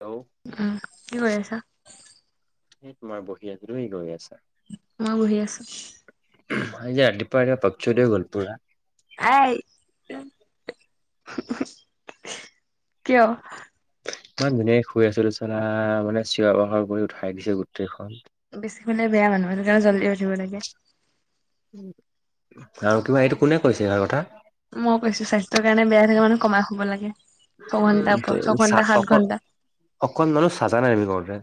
Hello উম কি কৰি আছা? [inaudible] তোমাৰ বহি আছো তুমি কি কৰি আছা [inaudible] মই বহি আছো। [unintelligible] আজি ৰাতিপুৱা পক্ষুড গল পুৰা আই কিয়? ইমান ধুনীয়াকে শুই আছো আছিলোঁ চালা মানে চিঞৰ বাখৰ কৰি উঠাই দিছে গোটেইখন বেছি শুই থাকিলে বেয়া মানুহ সেইকাৰণে জলদিউ উঠিব লাগে আৰু কিবা এইটো কোনে কৈছে এইষাৰ কথা মই কৈছো স্বাস্থ্যৰ কাৰণে বেয়া থাকে মানুহ কমাই শুব লাগে ছঘন্টাৰ ওপৰত, ছঘন্টা, সাত অক ঘন্টা। অকন মানুহ চাজা নাই আমি কৰওঁতে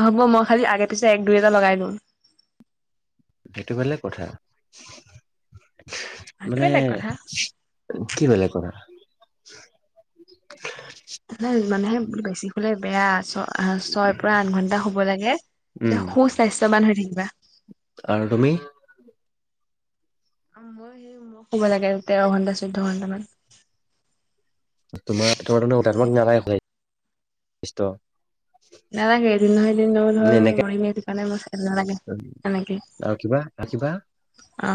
হ'ব মই খালি আগে পিছে এক দুই এটা লগাই লওঁ সেইটো বেলেগ কথা সেইটো মানে বেলেগ কথা। কি বেলেগ কৰা মানুহে বেছি শুলে বেয়া ছয় পৰা আঠ ঘন্টা হুব লাগে উম এতিয়া সু-স্বাস্থ্যৱান থাকিবা। আৰু তুমি? মই সেই মই শুব লাগে তেৰ ঘন্টা চৈধ্যয় ঘন্টামান। তোমাৰ তোমাৰ ত তোমাক নালাগে হয় নালাগে এদিন নহয় এদিন ন ধৰ এনেকে মৰিমে সেইকাৰণে নালাগে সেনেকেই। আৰু কিবা আ কিবা অ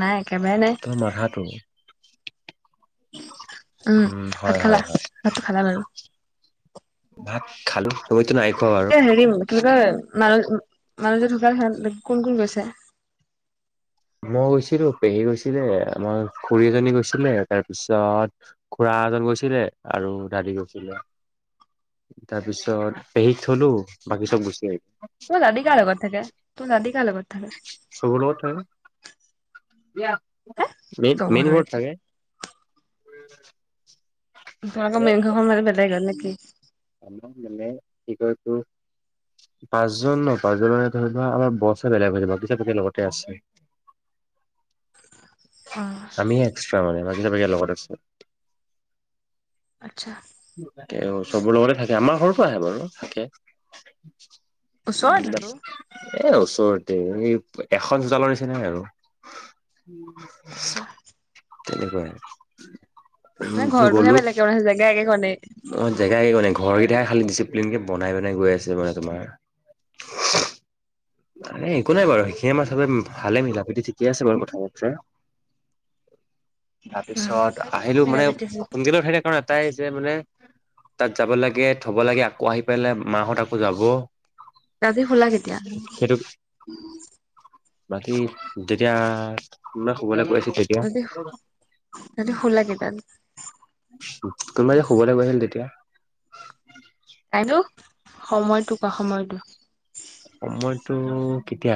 নাই কামেই নাই। উম উ ভাত হয় খালা হয় হয়। ভাতটো খালা বাৰু ভাত খালো। তুমিতো নাই খোৱা বাৰু। এতিয়া হেৰি কি কয় মানুহ মানুহজী ঢুক খ কোন কোন গৈছে? মই গৈছিলো পেহী গৈছিলে মই খুৰী এজনী গৈছিলে তাৰপিছত খুৰা মাহত গৈছিলে আৰু দাদী গৈছিলে তাৰপিছত পেহীক থলো বাকী চব গুচি আহিলো। তোমাৰ দাদী কাৰ লগত থাকে তোমাৰ দাদী কাৰ লগত থাকে চহুৰত হয়। মে চবৰ মেইন লগত ঘৰত থাকে। ত আকৌ মেইন ঘৰ বেলেগেই নেকি? মে কি কয় এইটো পাঁচজন ন পাঁচজন ধৰিলোৱা আমাৰ বছে বেলেগ হৈছে বাগিচব বাকীৰ লগতে আছে। [inaudible] অ আমি এক্সট্ৰা বাকী চব একে লগত আছে। আচ্ছা। চবৰ লগতে থাকে আমাৰ ঘৰটো আহে বাৰু থাকে। ওচৰততো এ ওচৰতে এই এখন চোতলৰ নিচিনাই আৰু। আচ্ছা। তেনেকুৱাই। মানে ঘৰটোহে গ'লো বেলেগে আৰু জেগা একেখনে। অ জেগাই মানে ঘৰ এতিয়া খালি ডিচিপ্লিন বনাই বনাই গৈ আছে মানে তোমাৰ। একো নাই বাৰু সেইখিনি আমাৰ চবে ভালে মিলা প্ৰীতি ঠিকেই আছে বাৰু কথা বতৰা [inaudible] তাৰপিছত আহিলো মিলা মানে প্ৰীতি আছে সোনকালে উঠাই দিয়ে কাৰণ এটাই যে মানে তাত যাব লাগে থব লাগে আকৌ আহি পেলাই মাহত আকৌ যাব। ৰাতি হুলা কেতিয়া? সেইটো বাকি যেতিয়া মই শুবলে কৈছ মানে মানে হুলা কেইটাত? কোনোবা যে শুবলে গৈআহিল তেতিয়া। টাইমটো সময়টো বা সময়টো? সময়টো কেতিয়া?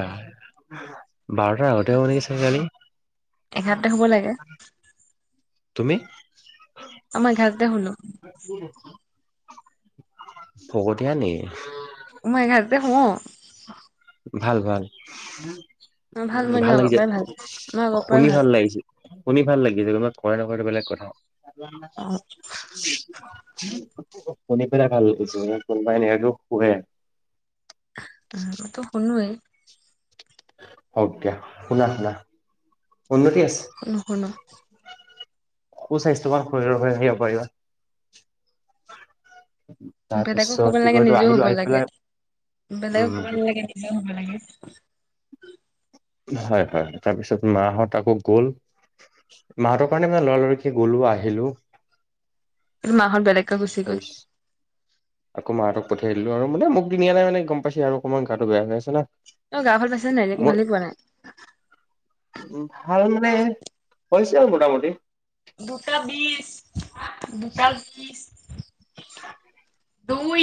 বাৰটাৰ আগতে হব নেকি চাগে কালি। এঘাৰটাতে শুব লাগে তুমি? আমাৰ এঘাৰটাতে হুলো। ভকতীয়া নেকি? মই এঘাটাতে হোও। ভাল ভাল মোৰ ভাল এনেও আগৰ লাগিছে পৰাই মোৰ আগৰ পৰাই শুনি ভাল লাগিছে। শুনি ভাল লাগিলি। কোনোবা কৰে নকৰে সেইটো বেলেগ কথা। অ', শুনি পেলাই ভাল লাগিছে কোনোবাই এনেকেও শুকুৱে। মই ত শুৱেই। হওক দিয়া শুনা শুনা। উন্নতি নুশুনো। সুস্বাস্থ্যমান হৈ হে আগবাঢ়িবা। বেলেগক কব নালাগে নিজেও হ'ব লাগে। পেলাই বেলেগক উম কব নালাগে নিজেও হব লাগে। [unintelligible] হয় হয় তাৰপিছত মাহঁত আকৌ গ'ল। মাহতৰ কাৰণে মানে লৰালৰিকে গলো আহিলো। [unintelligible] মাহত বেলেগ। তি আকৌ মাৰ। পঠাই দিলো আৰু মানে মোক নিনিলে মানে গম পাইছে আৰু অকমানটো বেয়া হৈছে। অ গা ভাল পাইছে নাই নে একো ভালেই পোৱা নাই? উ ভাল মানে হৈছে আৰু মোটামুটি। দুটা বিছ দুটা বিশ। দুই।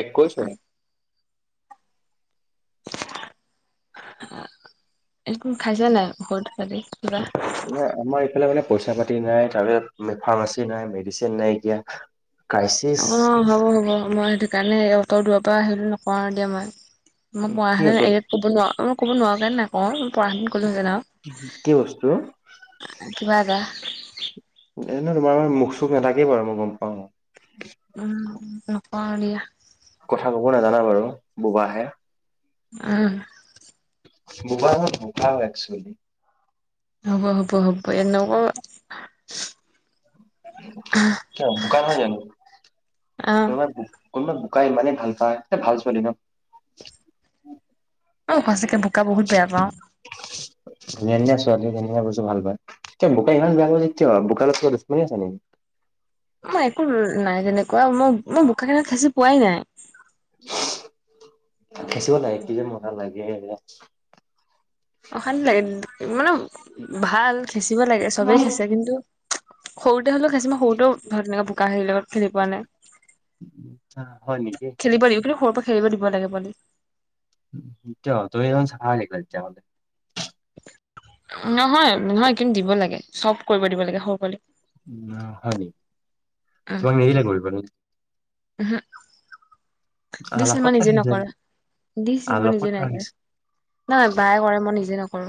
একৈশ হ'ল একো খাইছা নাই ঔৰত কি কিবা। নাই আমাৰ ইফালে মানে পইচা পাতি নাই তাৰ পিছত ফাৰ্মাচী নাই মেডিচিন নাই। অ ক্ৰাইচিছ হ'ব হ'ব মই সেইটো কাৰণে। অটৰ দূৰ পৰা আহিলো নকওঁ দিয়া মই। মই মই কি তত হোত ক'ব নোৱাৰো মই ক'ব নোৱাৰো কাৰণে নাইকওঁ। পৰাহেঁতেন কলোহেতেন আও কি বস্তু কিবা এটা। এনে ন তোমাৰ মানে মুখ চখ নাথাকে বাৰু মই গম পাওঁ। উম নকও দিয়া। কথা কব নাজানা বাৰু বোবাহে। অহ। বোবা হয় বোপা একচলি হ'ব হ'ব হ'ব এনেকুৱা। কিয় বোকা নহয় জানো? অ', কবাত ক বোকাই ইমানেই ভাল পায় এ ভাল ছোৱালী ন। অ সঁচাকে বোকা বহুত বেয়া পাওঁ। ধুনীয়া ছোৱালী ধুনীয়া বস্তু ভাল পায়। বোকা ইমান বেয়া পোৱা যে কিয়? বোকাৰ লগত কিবা দুচমনি আছে নেকি? মই একো নাই যেনেকুৱা মই মই বোকাখত খাচি পোৱাই নাই। খচিব লাগে কি যে মজা লাগে। অশান্তি লাগে মানে ভাল খেচিব লাগে চবেই খেচে কিন্তু। সৰুতে হলেও খাইচি মই সৰুতেও ধৰ তেনেকে বোকা হিৰ লগত খেলি পোৱা নাই। উ হ হয় নেকি। খেলিব দিব কিন্তু সৰুৰ পৰা খেলিব দিব লাগে পোৱালি। কিয় তুমি ইমান চাফা নেকি তেতিয়াহলে? নহয় নহয় কিন্তু দিব লাগে চব কৰিব দিব লাগে সৰু পোৱালিক। [unintelligible] উম হুম দিছিল আলাসত মই নিজে নাই ৰাখিছে কৰা। দিছিল মই নিজে আলাসত নাই কৰা। ৰাখিছে নাই বায় কৰে মই নিজে নকৰো।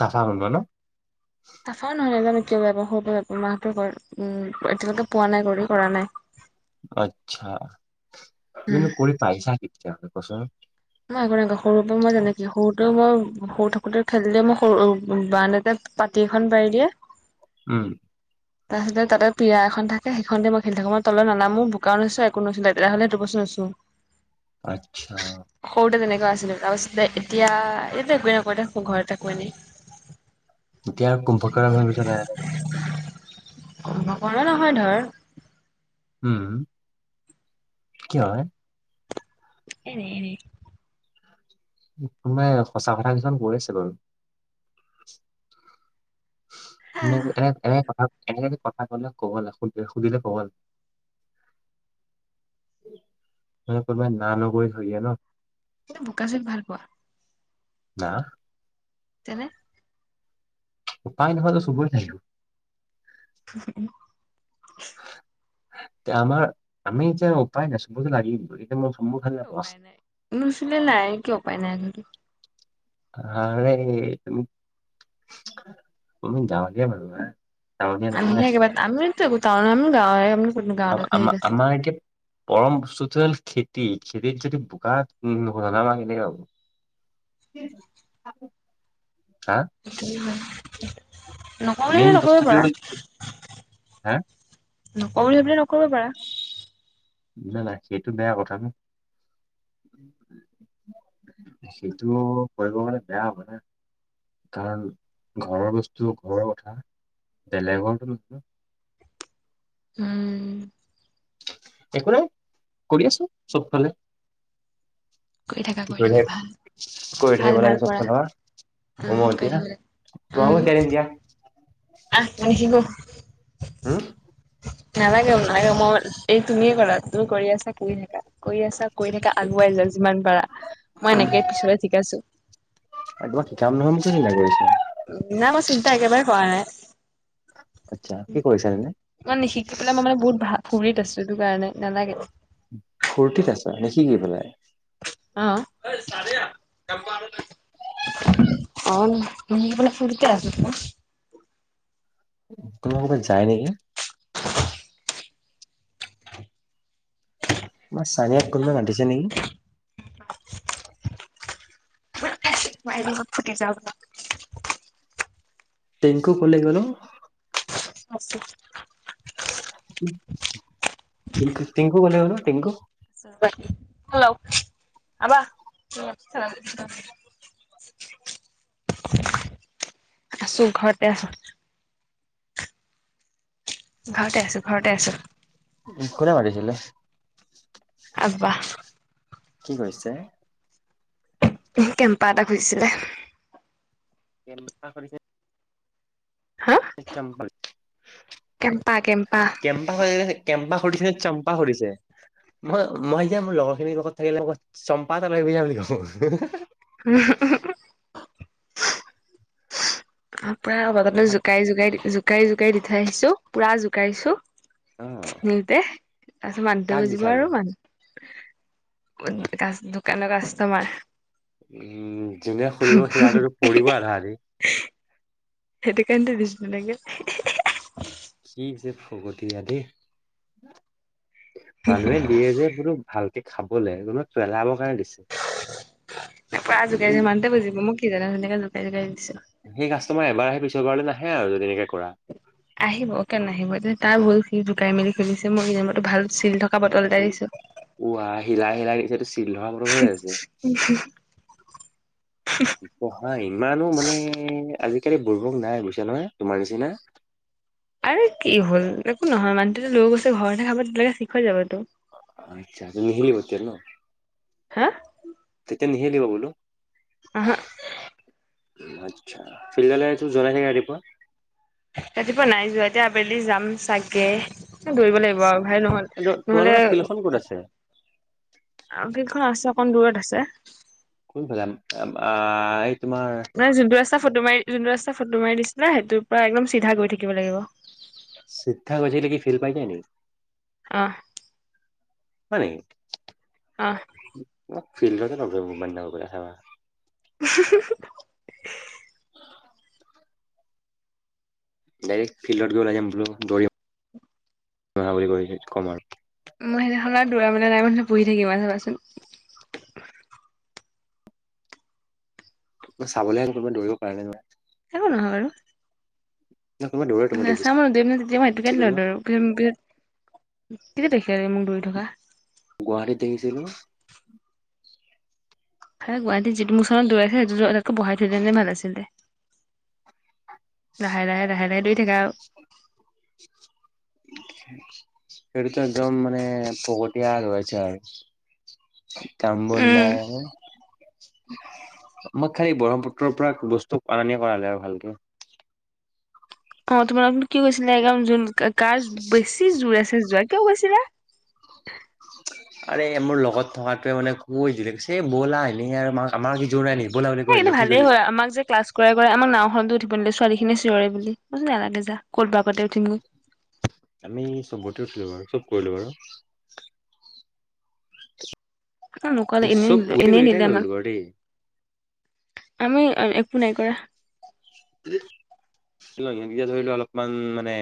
চাফা কৰিব ন চাফা নহয় ক বাৰ সৰু বা ৰ মাহটো উ এতিয়ালৈকে পোৱা নাই কৰি কৰা নাই আচ্ছা উম তইনো কৰি পাইচা কি তেতিয়াহলে কোৱাচোন। ন একো নাই সৰুৰ পৰা মই যেনেকি সৰুতে মই সৰু থাকোতে খেলিলে মই বাৰান্দাতে পাতি এখন পাৰি দিয়ে উম তাৰপিছত তাতে পিয়া এখন থাকে সেইখনতেই খেলি থাকো। মই তললে নানামো, বোকাও নোছো একো নোছো। লেতেৰা হ'লে বস্তু আচ্ছা সৰুতে তেনেকোৱা আছিলে তাৰপাছত এতিয়া এ একোৱে নকৰো ঘৰত থাকো এনেই। এতিয়া আৰু কুম্ভকৰণ হৈ গৈছে লাহে লাহে কৰা নহয় ধৰ উম কি হয় এনে এনে তানে সঁচা কথা কিছুমান কৈ আছে বাৰু ন এনে এনে এনে কথা কলে কবল সু সুধিলে কব [unintelligible] বোকা চোকা ভাল পোৱা ত তেনে উপায় নহয়ত চবৰে থাকিব [unintelligible] এয়া আমাৰ আমি এতিয়া উপায় নাছো বতো লাগিম বুলি ক উপায় নাই নুচে নাই কিয় উপায় নাই আ হা যে আমি গাওঁ লিলা মানুহ না আমি স একেবাৰে আমি একো গাঁৱ ক গাঁৱ আম হৈ গ আছে আমাৰ এতিয়া পৰম চুতল খেতি খেতিৰ যদি বোকাত ন মাকেনে পাব উম আ সেইটো হয় নকলে হলে মেইন নকব বস্তুটো পাৰা হ'ল হা নকলে হলে কৰিব পাৰা বুজা নাই সেইটো বেয়া কথা ন সেইটো কৰিব মানে বেয়া হ'ব ন কাৰণ ঘৰৰ বস্তু ঘৰৰ কথা বেলেগৰটো উম একো নাই কৰি আছো চবফালে কৰি থাকা কৰি থাকা ভাল কইঠেই ভাল ভাল বনাইক কৰা চ না উম কৰি উমতিয়া থাকিব লাগে। তোম উম কেতিয়া আহ মান শি হম নালাগে নালাগে মই এই তুমিয়ে কৰা তুমি কৰি আছা কৰি থাকা কৰি আছা কৰি থাকে আগুৱাই যা যিমান পাৰা মই এনেকে পিছলে ঠিকে আছো কিবা শিকাম নহয় মে না মই চিন্তা একেবাৰে কৰা নাই আচ্ছা কি কৰিছা এনে মানে নিশিকি পেলাই মই মানে বহুত ভ ফুৰিত আছো এইটো কাৰণে নালাগে ফুৰ্তিত আছা নেকি কি পেলাই অ [unintelligible] অ ম ব ফুৰিতে আছছিল। কোনোবা কবাত যায় নেকি? ন চনিয় আ ক নো কডছে নেকি? বাহিৰ লগত ফুটি যাওঁ। টিংকু কলে গল অ। আশ টিংকু টিংকু কলে গ'লো টিংকু হেল্ল আবা, আছো ঘৰতে আছো। ঘৰতে আছো ঘৰতে আছো। কোনে মাতিছিলে আবা। কি কৈছে? কেম্পা এটা খোঁজিছিলে। কে ক কৰিছে? হা চম্পল। কেম্পা কেম্পা কেম্পা স কেম্পা সুৰিছে নে চম্পা সুৰিছে। মই, মই এতিয়া মোৰ লগৰ খিনিৰ লগত থাকিলে মৌ চম্পাতলৈ যাম বুলি কৈছো। হম। অ, পুৰা বৰ্তমান জোকাৰি, জোকাৰি, জোকাৰি জোকাৰি দি থৈ আহিছো। পুৰা জোকাৰিছো। অ মিলতে তাৰপিছত মানুহ তো কাক বুজিব দিছা আৰু মানুহ ক দোকানৰ কাষ্টমাৰ। উম, জোনে খুলিব সিৰাটোতটো পৰিব আৰু আধা অধি। সেইটো কাৰণেতো দিছ ন লাগে। কি যে ফকতিয়া দেই। মানুহে দিয়ে যে বো ভালকে খাবলে কোনো পেলাাব দিছে। পুৰা জোকাৰিছো উম, মানুহটোৱে বুজিব মই কি জানো তেনেকে জোকাৰি জোকাৰি দিছো সেই কাষ্টমাৰ এবাৰ আহে, পিছৰবাৰলৈ নাহে আৰু যদি এনেকে কৰা আহিব কেনে আহিব এতিয়া তাৰ ভুল সি জুকাই মেলি খুুলিছে মই সো ভাল। চিল থকা বটল এটাই দিছো। উ, আহ হিলাই-হিলাই নিচটো চিল থকা বটলত হৈ আছে। [inaudible] পঢ়া ইমানো মানে আজি কালি। কালি বুৰ্বক নাই বুইছা নহয়, তোমাৰ নিচিনা? আৰু কি হ'ল একো নহয় মানুহটো লৈ গৈছে ঘৰতে খাব তেনেকে ঠিক হৈ যাবতো। আচ্ছা নেহৰি বতে ন? হা। নিহিলিব বোলো। আহা। আচ্ছা, [unintelligible] ৰাতিপুৱা নাই যোৱা। এতিয়া আবেলি যাম চাগে। দৌৰিব লাগিব আৰু ভাল নহল। কিন্তু তোমালোকৰ ফিল্ডখন ক'ত নহ'লে, আছে কেইখন আছে অকণ দূৰত আছে। ক [unintelligible] নানে যোনটো ৰাস্তা ফটো মাৰি যোনটো ৰাস্তা ফটো মাৰি দিছিলে সেইৰ পৰা একদম চিধা কৰি থাকিব লাগিব। চিধা গৈ থাকিলে কি [inaudible] আহ। হয় নেকি? ফিল্ড ন [unintelligible] উ [unintelligible] ডাইৰেক্ট ফিল্ডত গৈ ওলাই যাম বোলো দৌৰিম বুলি কম আৰু মই সেইদিনাখন আৰু দৌৰা মানে নাই মানহ পুহি থাকিমা চাবাচোন। চাবলৈ হেনক কৰিব দৌৰিব কাৰণে নহয়। কব নহয় বাৰু। ন কোনোবা দৌৰে তো মই ন চামানোম ন তেমইিতো দেখিছিলো ন কেডৰ [unintelligible] কেতিয়া দেখি আে মোক দৌৰি থকা। গুৱাহাটীত দেখিছিলো। গুৱাহাটী যিটো মোৰ চানত দৌৰা আছে সেইটো তো বহাই থৈলেনে যে ভাল আছিল। লাহে, লাহে লাহে, লাহে দৌৰি থাকা আৰু। সেইটোতো একদম মানে ফকতিয়া ৰৈছে আৰু। [inaudible] কাম বন উম নাই। মই খালী ব্ৰহ্মপুত্ৰ ৰ পৰা বস্তু আনিয়ে কৰালে আৰু ভালকে। অ, তোমাৰ আপ কি কৈছিলে য গ বেছি জুোৰ আছে। যোৱা কিয় গৈছিলে। আৰে মোৰ লগত থকাটোৱে মানে কছে ব'লা এনে আৰু ম আমাৰ কিযোৰ নাই নি ব'লা বুলি কৈ সনে দিলে উঠি ভালেই গ'লি। হয় আমাক যে ক্লাছ কৰা। আমাক নাওখনতো উঠিব নিদিলে ছোৱালী খিনি চিঞৰে বুলি মই বোলো নালাগে যা ক'তব কাতে উঠিমগৈ। আমি চবতে উঠিলো বাৰু চব কৰিলো বাৰু। ন নকালে এনেইন চব এনেই গোটেইকেইটাই নিলে আমাক কৰিলো বাৰু দেই। আমি একো নাই কৰা। শ্বিলঙীকেইতিয়া ধৰি লোৱা অলপমান মানে।